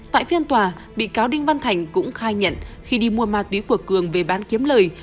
tại phiên tòa bị cáo đinh văn thành cũng khai nhận khi đi mua ma túy của cường về bán kiếm lời